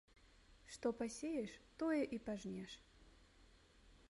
Што пасееш, тое і пажнеш